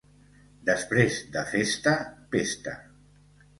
Després de festa, pesta.